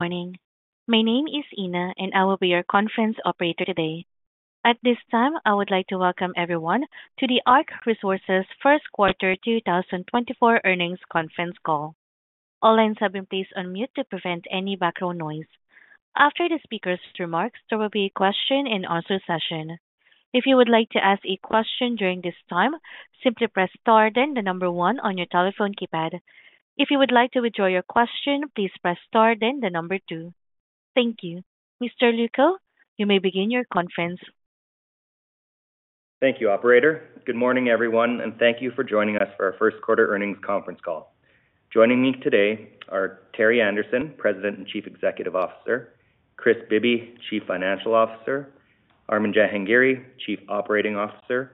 Morning. My name is Ina, and I will be your conference operator today. At this time, I would like to welcome everyone to the ARC Resources First Quarter 2024 Earnings Conference call. All lines have been placed on mute to prevent any background noise. After the speaker's remarks, there will be a question-and-answer session. If you would like to ask a question during this time, simply press star then the number 1 on your telephone keypad. If you would like to withdraw your question, please press star then the number 2. Thank you. Mr. Lucco, you may begin your conference. Thank you, operator. Good morning, everyone, and thank you for joining us for our First Quarter Earnings Conference call. Joining me today are Terry Anderson, President and Chief Executive Officer; Kris Bibby, Chief Financial Officer; Armin Jahangiri, Chief Operating Officer;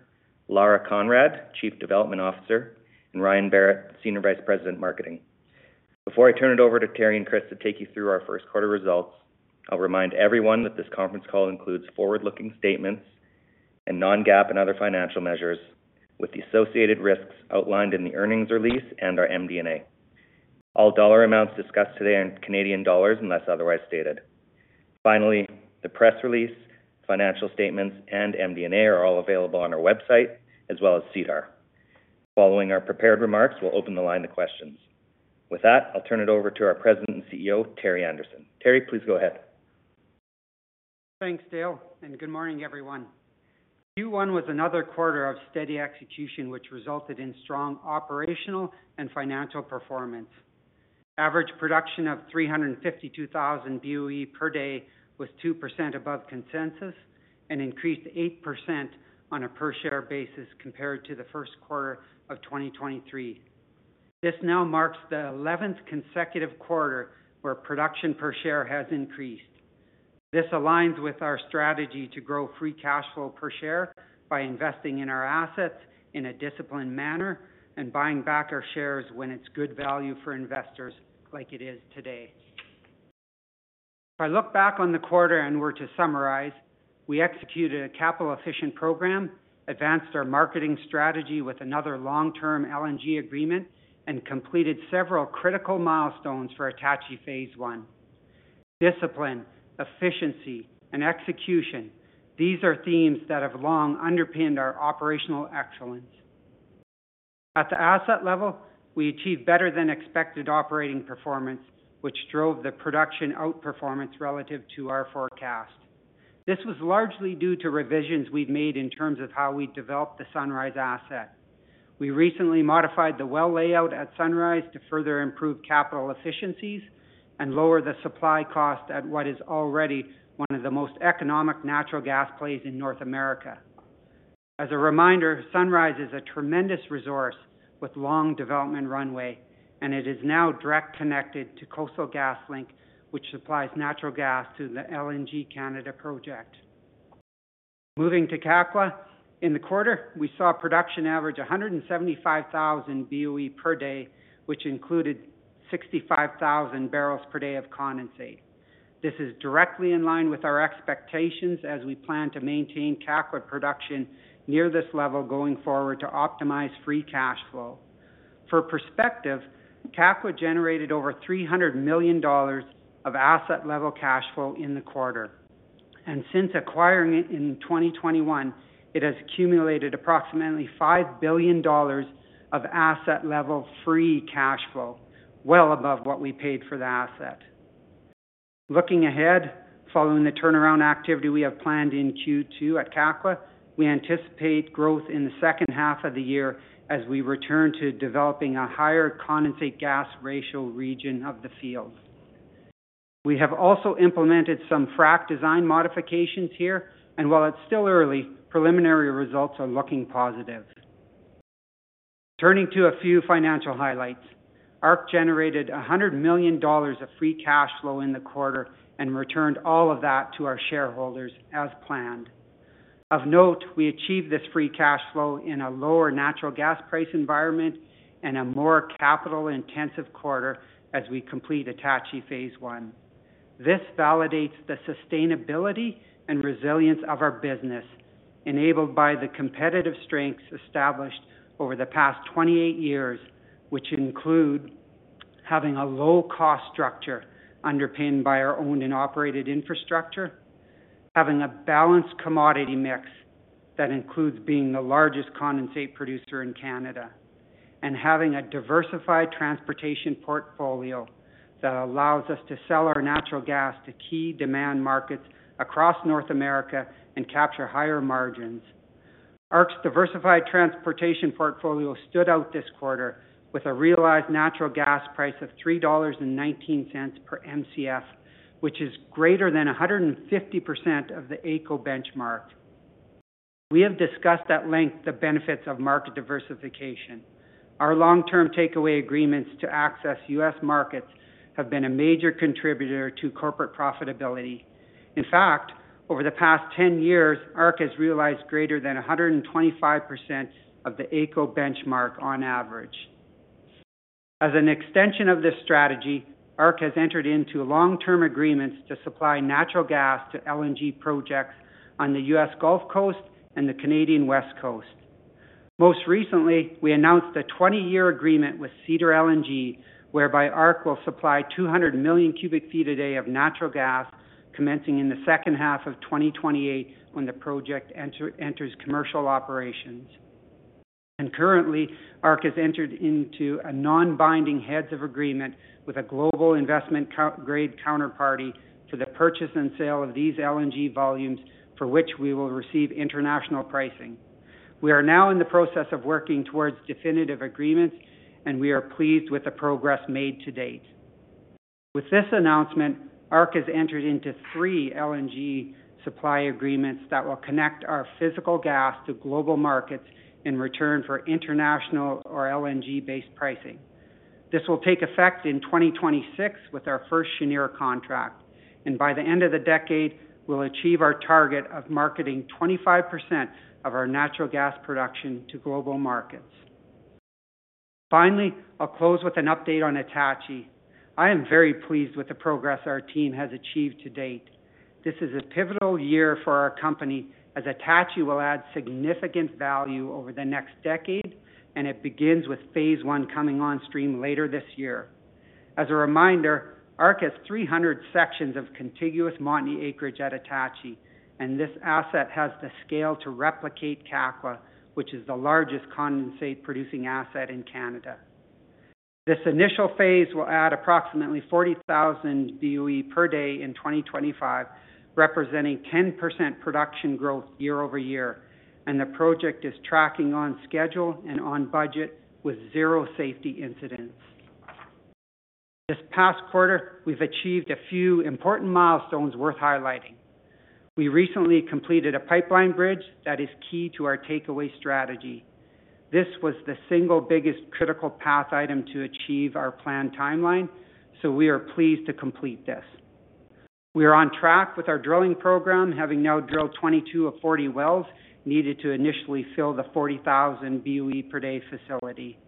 Lara Conrad, Chief Development Officer; and Ryan Berrett, Senior Vice President Marketing. Before I turn it over to Terry and Kris to take you through our First Quarter results, I'll remind everyone that this conference call includes forward-looking statements and non-GAAP and other financial measures, with the associated risks outlined in the earnings release and our MD&A. All dollar amounts discussed today are in Canadian dollars unless otherwise stated. Finally, the press release, financial statements, and MD&A are all available on our website as well as SEDAR+. Following our prepared remarks, we'll open the line to questions. With that, I'll turn it over to our President and CEO, Terry Anderson. Terry, please go ahead. Thanks, Dale, and good morning, everyone. Q1 was another quarter of steady execution, which resulted in strong operational and financial performance. Average production of 352,000 BOE per day was 2% above consensus and increased 8% on a per-share basis compared to the first quarter of 2023. This now marks the 11th consecutive quarter where production per share has increased. This aligns with our strategy to grow free cash flow per share by investing in our assets in a disciplined manner and buying back our shares when it's good value for investors like it is today. If I look back on the quarter and were to summarize, we executed a capital-efficient program, advanced our marketing strategy with another long-term LNG agreement, and completed several critical milestones for Attachie Phase 1. Discipline, efficiency, and execution-these are themes that have long underpinned our operational excellence. At the asset level, we achieved better-than-expected operating performance, which drove the production outperformance relative to our forecast. This was largely due to revisions we've made in terms of how we develop the Sunrise asset. We recently modified the well layout at Sunrise to further improve capital efficiencies and lower the supply cost at what is already one of the most economic natural gas plays in North America. As a reminder, Sunrise is a tremendous resource with long development runway, and it is now directly connected to Coastal GasLink, which supplies natural gas to the LNG Canada project. Moving to Kakwa, in the quarter, we saw production average 175,000 BOE per day, which included 65,000 barrels per day of condensate. This is directly in line with our expectations as we plan to maintain Kakwa production near this level going forward to optimize free cash flow. For perspective, Kakwa generated over 300 million dollars of asset-level cash flow in the quarter, and since acquiring it in 2021, it has accumulated approximately 5 billion dollars of asset-level free cash flow, well above what we paid for the asset. Looking ahead, following the turnaround activity we have planned in Q2 at Kakwa, we anticipate growth in the second half of the year as we return to developing a higher condensate gas ratio region of the field. We have also implemented some frac design modifications here, and while it's still early, preliminary results are looking positive. Turning to a few financial highlights, ARC generated 100 million dollars of free cash flow in the quarter and returned all of that to our shareholders as planned. Of note, we achieved this free cash flow in a lower natural gas price environment and a more capital-intensive quarter as we complete Attachie Phase 1. This validates the sustainability and resilience of our business, enabled by the competitive strengths established over the past 28 years, which include having a low-cost structure underpinned by our own and operated infrastructure, having a balanced commodity mix that includes being the largest condensate producer in Canada, and having a diversified transportation portfolio that allows us to sell our natural gas to key demand markets across North America and capture higher margins. ARC's diversified transportation portfolio stood out this quarter with a realized natural gas price of $3.19 per MCF, which is greater than 150% of the AECO benchmark. We have discussed at length the benefits of market diversification. Our long-term takeaway agreements to access U.S. markets have been a major contributor to corporate profitability. In fact, over the past 10 years, ARC has realized greater than 125% of the AECO benchmark on average. As an extension of this strategy, ARC has entered into long-term agreements to supply natural gas to LNG projects on the U.S. Gulf Coast and the Canadian West Coast. Most recently, we announced a 20-year agreement with Cedar LNG, whereby ARC will supply 200 million cubic feet a day of natural gas, commencing in the second half of 2028 when the project enters commercial operations. Currently, ARC has entered into a non-binding Heads of Agreement with a global investment-grade counterparty for the purchase and sale of these LNG volumes, for which we will receive international pricing. We are now in the process of working towards definitive agreements, and we are pleased with the progress made to date. With this announcement, ARC has entered into three LNG supply agreements that will connect our physical gas to global markets in return for international or LNG-based pricing. This will take effect in 2026 with our first Cheniere contract, and by the end of the decade, we'll achieve our target of marketing 25% of our natural gas production to global markets. Finally, I'll close with an update on Attachie. I am very pleased with the progress our team has achieved to date. This is a pivotal year for our company, as Attachie will add significant value over the next decade, and it begins with Phase 1 coming on stream later this year. As a reminder, ARC has 300 sections of contiguous Montney acreage at Attachie, and this asset has the scale to replicate Kakwa, which is the largest condensate-producing asset in Canada. This initial phase will add approximately 40,000 BOE per day in 2025, representing 10% production growth year-over-year, and the project is tracking on schedule and on budget with zero safety incidents. This past quarter, we've achieved a few important milestones worth highlighting. We recently completed a pipeline bridge that is key to our takeaway strategy. This was the single biggest critical path item to achieve our planned timeline, so we are pleased to complete this. We are on track with our drilling program, having now drilled 22 of 40 wells needed to initially fill the 40,000 BOE per day facility.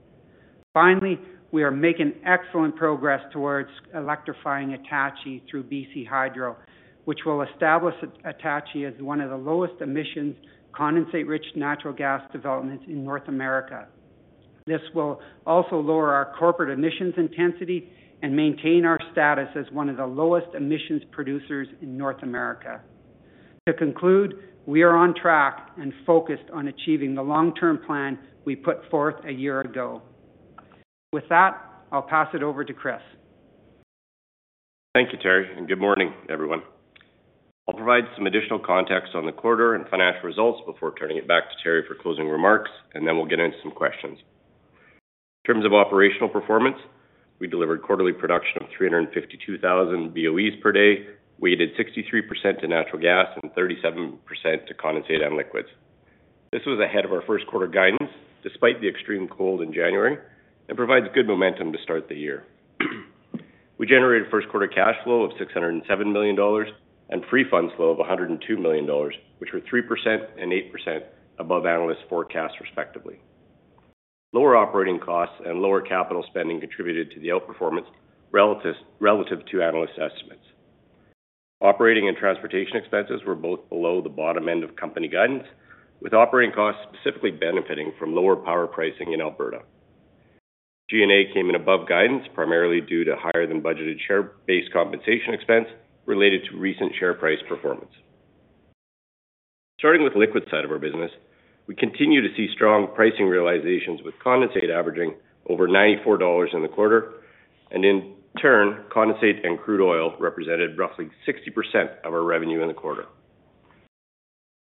Finally, we are making excellent progress towards electrifying Attachie through BC Hydro, which will establish Attachie as one of the lowest emissions condensate-rich natural gas developments in North America. This will also lower our corporate emissions intensity and maintain our status as one of the lowest emissions producers in North America. To conclude, we are on track and focused on achieving the long-term plan we put forth a year ago. With that, I'll pass it over to Kris. Thank you, Terry, and good morning, everyone. I'll provide some additional context on the quarter and financial results before turning it back to Terry for closing remarks, and then we'll get into some questions. In terms of operational performance, we delivered quarterly production of 352,000 BOEs per day, weighted 63% to natural gas and 37% to condensate and liquids. This was ahead of our first quarter guidance despite the extreme cold in January and provides good momentum to start the year. We generated first quarter cash flow of 607 million dollars and free funds flow of 102 million dollars, which were 3% and 8% above analysts' forecasts, respectively. Lower operating costs and lower capital spending contributed to the outperformance relative to analysts' estimates. Operating and transportation expenses were both below the bottom end of company guidance, with operating costs specifically benefiting from lower power pricing in Alberta. G&A came in above guidance primarily due to higher-than-budgeted share-based compensation expense related to recent share price performance. Starting with the liquids side of our business, we continue to see strong pricing realizations with condensate averaging over $94 in the quarter, and in turn, condensate and crude oil represented roughly 60% of our revenue in the quarter.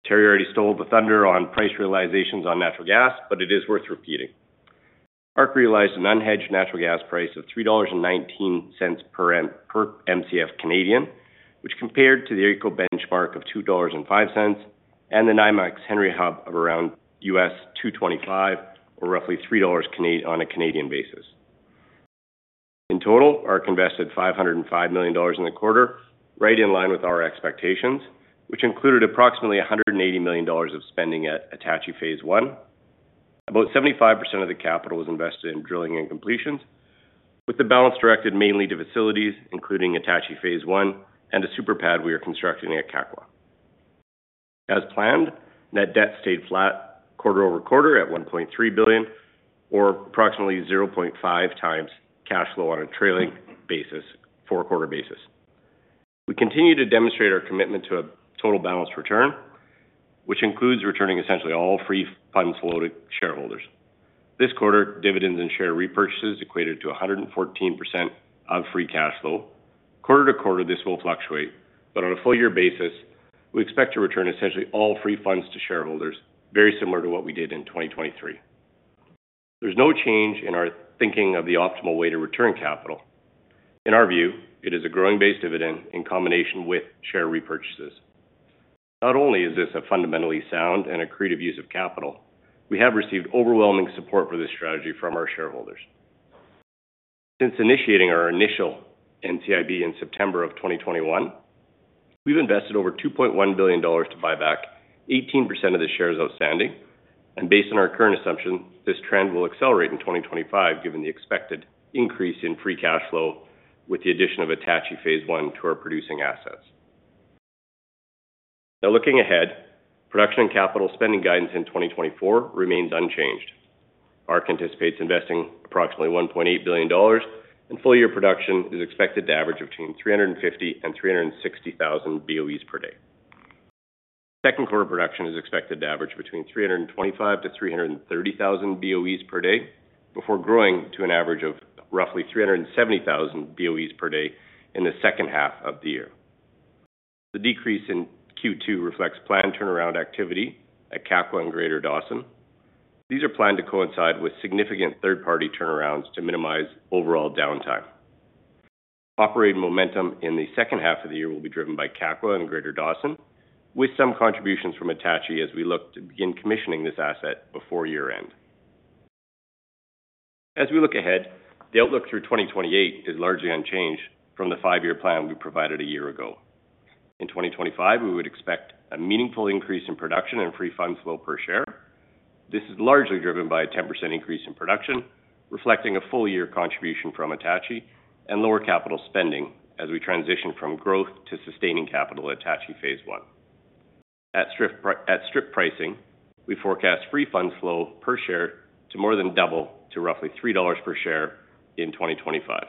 Terry already stole the thunder on price realizations on natural gas, but it is worth repeating. ARC realized an unhedged natural gas price of $3.19 per MCF Canadian, which compared to the AECO benchmark of $2.05 and the NYMEX Henry Hub of around US$2.25, or roughly $3 Canadian on a Canadian basis. In total, ARC invested $505 million in the quarter, right in line with our expectations, which included approximately $180 million of spending at Attachie Phase 1. About 75% of the capital was invested in drilling and completions, with the balance directed mainly to facilities, including Attachie Phase 1 and a super pad we are constructing at Kakwa. As planned, net debt stayed flat quarter-over-quarter at 1.3 billion, or approximately 0.5 times cash flow on a trailing basis four-quarter basis. We continue to demonstrate our commitment to a total balanced return, which includes returning essentially all free funds flow to shareholders. This quarter, dividends and share repurchases equated to 114% of free cash flow. Quarter-to-quarter, this will fluctuate, but on a full-year basis, we expect to return essentially all free funds to shareholders, very similar to what we did in 2023. There's no change in our thinking of the optimal way to return capital. In our view, it is a growing base dividend in combination with share repurchases. Not only is this a fundamentally sound and accretive use of capital, we have received overwhelming support for this strategy from our shareholders. Since initiating our initial NCIB in September of 2021, we've invested over 2.1 billion dollars to buy back 18% of the shares outstanding. Based on our current assumption, this trend will accelerate in 2025 given the expected increase in free cash flow with the addition of Attachie Phase 1 to our producing assets. Now, looking ahead, production and capital spending guidance in 2024 remains unchanged. ARC anticipates investing approximately 1.8 billion dollars, and full-year production is expected to average between 350 and 360 thousand BOEs per day. Second quarter production is expected to average between 325 to 330 thousand BOEs per day, before growing to an average of roughly 370 thousand BOEs per day in the second half of the year. The decrease in Q2 reflects planned turnaround activity at Kakwa and Greater Dawson. These are planned to coincide with significant third-party turnarounds to minimize overall downtime. Operating momentum in the second half of the year will be driven by Kakwa and Greater Dawson, with some contributions from Attachie as we look to begin commissioning this asset before year-end. As we look ahead, the outlook through 2028 is largely unchanged from the five-year plan we provided a year ago. In 2025, we would expect a meaningful increase in production and free funds flow per share. This is largely driven by a 10% increase in production, reflecting a full-year contribution from Attachie and lower capital spending as we transition from growth to sustaining capital at Attachie Phase 1. At strip pricing, we forecast free funds flow per share to more than double to roughly 3 dollars per share in 2025.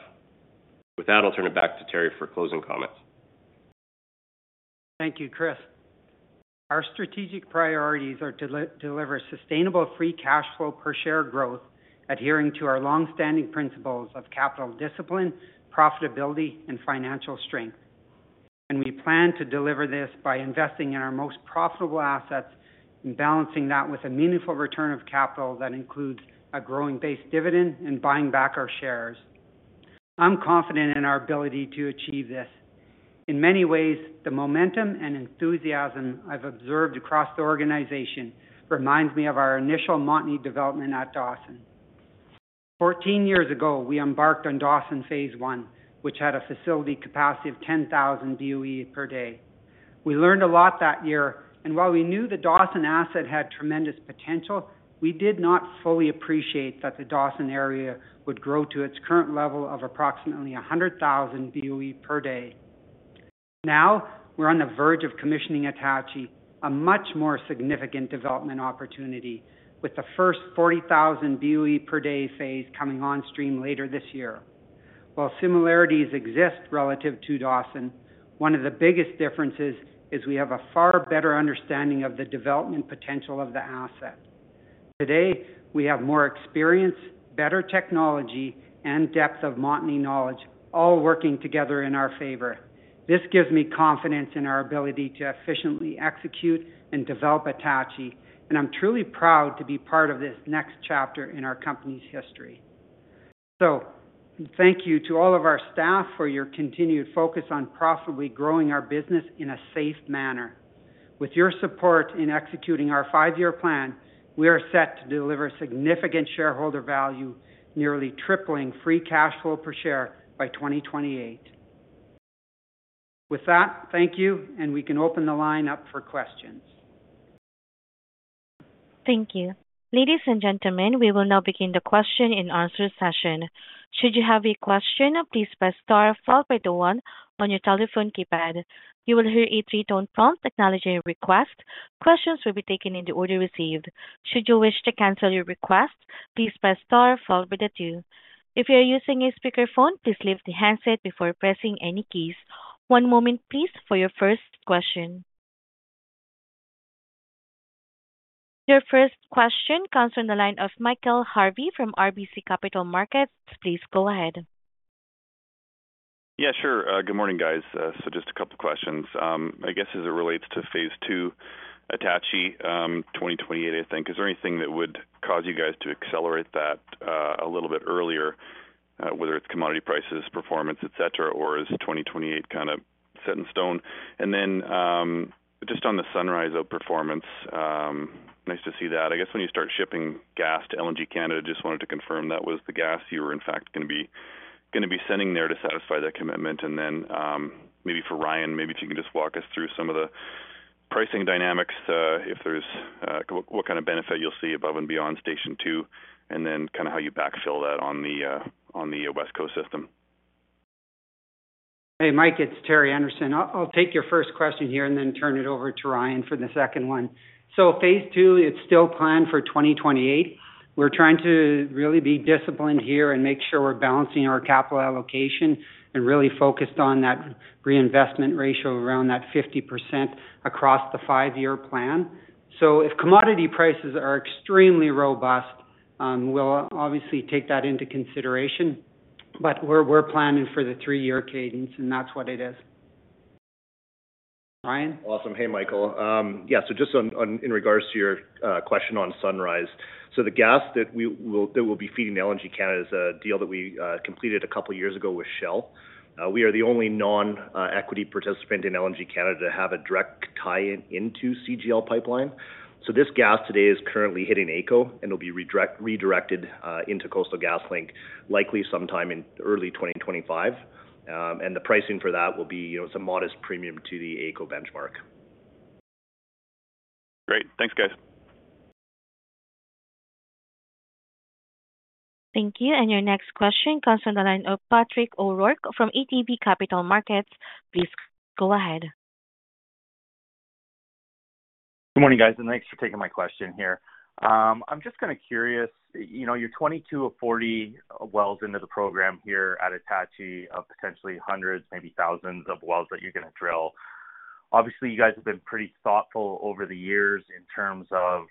With that, I'll turn it back to Terry for closing comments. Thank you, Kris. Our strategic priorities are to deliver sustainable free cash flow per share growth, adhering to our longstanding principles of capital discipline, profitability, and financial strength. We plan to deliver this by investing in our most profitable assets and balancing that with a meaningful return of capital that includes a growing base dividend and buying back our shares. I'm confident in our ability to achieve this. In many ways, the momentum and enthusiasm I've observed across the organization reminds me of our initial Montney development at Dawson. 14 years ago, we embarked on Dawson Phase 1, which had a facility capacity of 10,000 BOE per day. We learned a lot that year, and while we knew the Dawson asset had tremendous potential, we did not fully appreciate that the Dawson area would grow to its current level of approximately 100,000 BOE per day. Now we're on the verge of commissioning Attachie, a much more significant development opportunity, with the first 40,000 BOE per day phase coming on stream later this year. While similarities exist relative to Dawson, one of the biggest differences is we have a far better understanding of the development potential of the asset. Today, we have more experience, better technology, and depth of Montney knowledge, all working together in our favor. This gives me confidence in our ability to efficiently execute and develop Attachie, and I'm truly proud to be part of this next chapter in our company's history. So thank you to all of our staff for your continued focus on profitably growing our business in a safe manner. With your support in executing our five-year plan, we are set to deliver significant shareholder value, nearly tripling free cash flow per share by 2028. With that, thank you, and we can open the line up for questions. Thank you. Ladies and gentlemen, we will now begin the question and answer session. Should you have a question, please press star followed by the 1 on your telephone keypad. You will hear a 3-tone prompt acknowledging your request. Questions will be taken in the order received. Should you wish to cancel your request, please press star followed by the 2. If you are using a speakerphone, please leave the handset before pressing any keys. One moment, please, for your first question. Your first question comes from the line of Michael Harvey from RBC Capital Markets. Please go ahead. Yeah, sure. Good morning, guys. So just a couple of questions. I guess as it relates to Phase 2 Attachie 2028, I think, is there anything that would cause you guys to accelerate that a little bit earlier, whether it's commodity prices, performance, etc., or is 2028 kind of set in stone? And then just on the Sunrise of performance, nice to see that. I guess when you start shipping gas to LNG Canada, just wanted to confirm that was the gas you were, in fact, going to be sending there to satisfy that commitment. And then maybe for Ryan, maybe if you can just walk us through some of the pricing dynamics, what kind of benefit you'll see above and beyond Station 2, and then kind of how you backfill that on the West Coast system. Hey, Mike, it's Terry Anderson. I'll take your first question here and then turn it over to Ryan for the second one. So Phase 2, it's still planned for 2028. We're trying to really be disciplined here and make sure we're balancing our capital allocation and really focused on that reinvestment ratio around that 50% across the five-year plan. So if commodity prices are extremely robust, we'll obviously take that into consideration, but we're planning for the three-year cadence, and that's what it is. Ryan? Awesome. Hey, Michael. Yeah, so just in regards to your question on Sunrise, so the gas that will be feeding LNG Canada is a deal that we completed a couple of years ago with Shell. We are the only non-equity participant in LNG Canada to have a direct tie-in into Coastal GasLink pipeline. So this gas today is currently hitting AECO, and it'll be redirected into Coastal GasLink, likely sometime in early 2025. The pricing for that will be it's a modest premium to the AECO benchmark. Great. Thanks, guys. Thank you. Your next question comes from the line of Patrick O'Rourke from ATB Capital Markets. Please go ahead. Good morning, guys, and thanks for taking my question here. I'm just kind of curious. You're 22 of 40 wells into the program here at Attachie, potentially hundreds, maybe thousands of wells that you're going to drill. Obviously, you guys have been pretty thoughtful over the years in terms of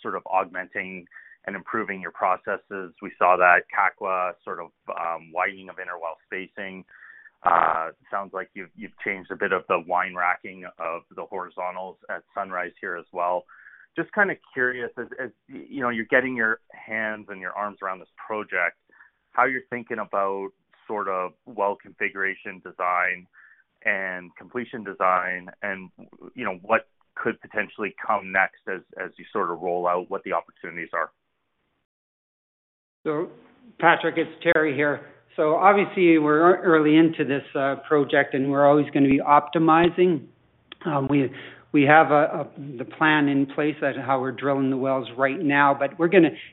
sort of augmenting and improving your processes. We saw that Kakwa sort of widening of inner well spacing. Sounds like you've changed a bit of the wine racking of the horizontals at Sunrise here as well. Just kind of curious, as you're getting your hands and your arms around this project, how you're thinking about sort of well configuration design and completion design and what could potentially come next as you sort of roll out what the opportunities are. So Patrick, it's Terry here. So obviously, we're early into this project, and we're always going to be optimizing. We have the plan in place of how we're drilling the wells right now, but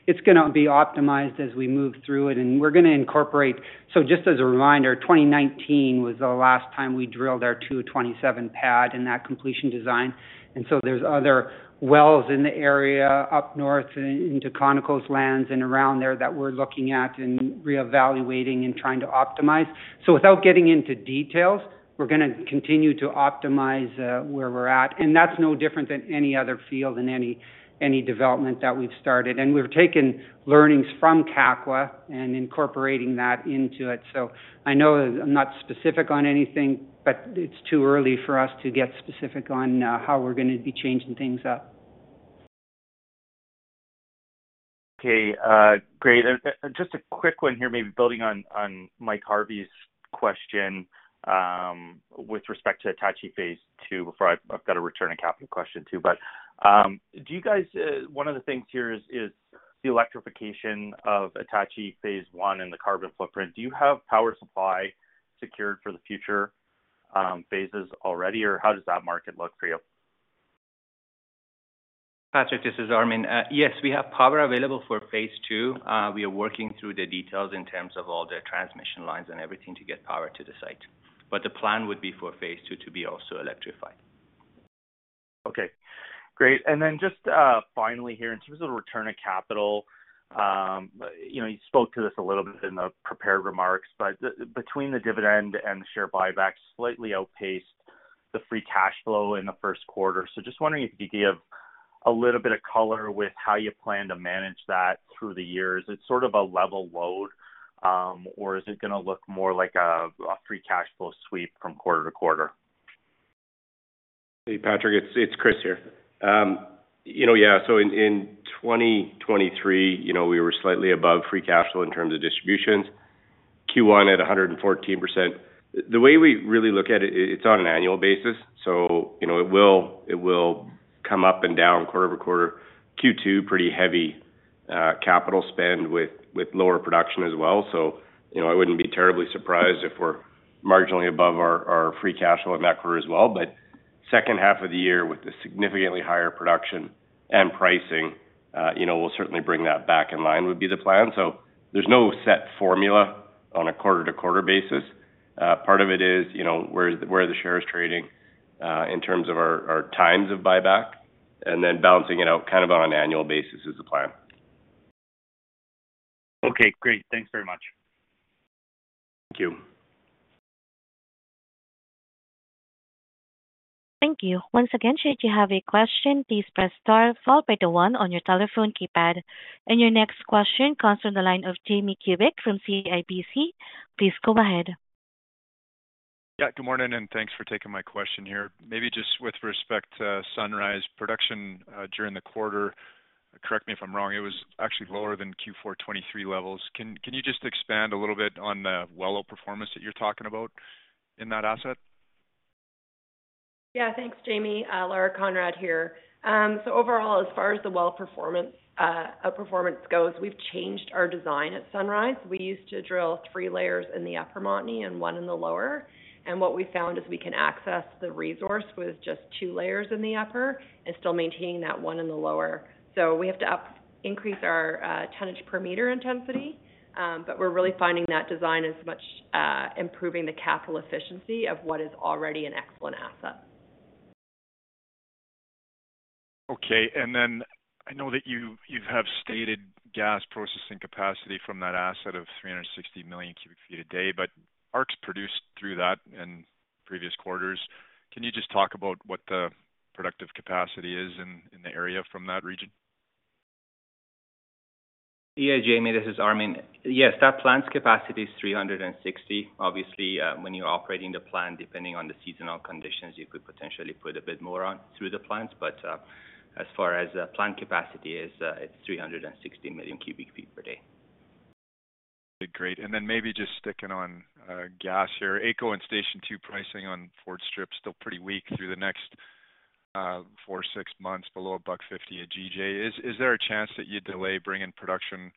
it's going to be optimized as we move through it. And we're going to incorporate, so just as a reminder, 2019 was the last time we drilled our 227 pad and that completion design. And so there's other wells in the area up north and into Conoco's lands and around there that we're looking at and reevaluating and trying to optimize. So without getting into details, we're going to continue to optimize where we're at. And that's no different than any other field and any development that we've started. And we've taken learnings from Kakwa and incorporating that into it. I know I'm not specific on anything, but it's too early for us to get specific on how we're going to be changing things up. Okay, great. Just a quick one here, maybe building on Mike Harvey's question with respect to Attachie Phase 2 before I've got to return of capital question too. But do you guys, one of the things here is the electrification of Attachie Phase 1 and the carbon footprint. Do you have power supply secured for the future phases already, or how does that market look for you? Patrick, this is Armin. Yes, we have power available for Phase 2. We are working through the details in terms of all the transmission lines and everything to get power to the site. But the plan would be for Phase 2 to be also electrified. Okay, great. Then just finally here, in terms of return of capital, you spoke to this a little bit in the prepared remarks, but between the dividend and the share buybacks slightly outpaced the free cash flow in the first quarter. So just wondering if you could give a little bit of color with how you plan to manage that through the years. It's sort of a level load, or is it going to look more like a free cash flow sweep from quarter to quarter? Hey, Patrick, it's Kris here. Yeah, so in 2023, we were slightly above free cash flow in terms of distributions. Q1 at 114%. The way we really look at it, it's on an annual basis. So it will come up and down quarter to quarter. Q2, pretty heavy capital spend with lower production as well. So I wouldn't be terribly surprised if we're marginally above our free cash flow in that quarter as well. But second half of the year with the significantly higher production and pricing, we'll certainly bring that back in line would be the plan. So there's no set formula on a quarter to quarter basis. Part of it is where the share is trading in terms of our terms of buyback, and then balancing it out kind of on an annual basis is the plan. Okay, great. Thanks very much. Thank you. Thank you. Once again, should you have a question, please press star followed by the one on your telephone keypad. Your next question comes from the line of Jamie Kubik from CIBC. Please go ahead. Yeah, good morning, and thanks for taking my question here. Maybe just with respect to Sunrise production during the quarter, correct me if I'm wrong, it was actually lower than Q4 2023 levels. Can you just expand a little bit on the well performance that you're talking about in that asset? Yeah, thanks, Jamie. Lara Conrad here. So overall, as far as the well performance goes, we've changed our design at Sunrise. We used to drill three layers in the upper Montney and one in the lower. And what we found is we can access the resource with just two layers in the upper and still maintaining that one in the lower. So we have to increase our tonnage per meter intensity, but we're really finding that design as much improving the capital efficiency of what is already an excellent asset. Okay. And then I know that you have stated gas processing capacity from that asset of 360 million cubic feet a day, but ARC's produced through that in previous quarters. Can you just talk about what the productive capacity is in the area from that region? Yeah, Jamie, this is Armin. Yes, that plant's capacity is 360. Obviously, when you're operating the plant, depending on the seasonal conditions, you could potentially put a bit more on through the plants. But as far as plant capacity is, it's 360 million cubic feet per day. Great. Maybe just sticking on gas here, AECO and Station 2 pricing on forward strip still pretty weak through the next 4-6 months, below 1.50 at GJ. Is there a chance that you'd delay bringing production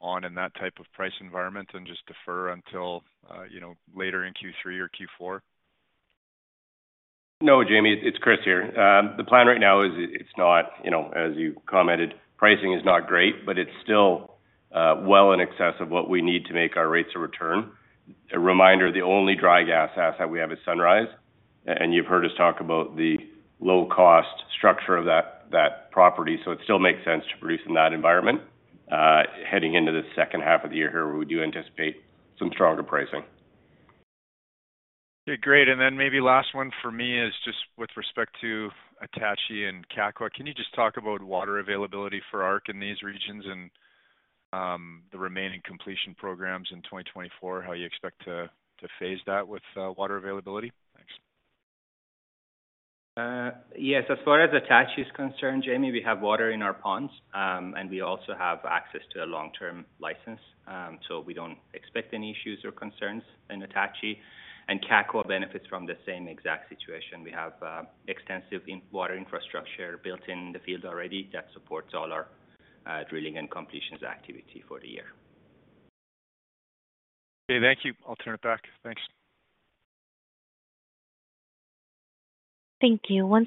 on in that type of price environment and just defer until later in Q3 or Q4? No, Jamie, it's Kris here. The plan right now is it's not as you commented, pricing is not great, but it's still well in excess of what we need to make our rates of return. A reminder, the only dry gas asset we have is Sunrise. And you've heard us talk about the low-cost structure of that property, so it still makes sense to produce in that environment. Heading into the second half of the year here, we do anticipate some stronger pricing. Okay, great. And then maybe last one for me is just with respect to Attachie and Kakwa, can you just talk about water availability for ARC in these regions and the remaining completion programs in 2024, how you expect to phase that with water availability? Thanks. Yes, as far as Attachie is concerned, Jamie, we have water in our ponds, and we also have access to a long-term license. So we don't expect any issues or concerns in Attachie. Kakwa benefits from the same exact situation. We have extensive water infrastructure built in the field already that supports all our drilling and completions activity for the year. Okay, thank you. I'll turn it back. Thanks. Thank you.